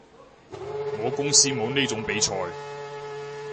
我公司冇呢種比賽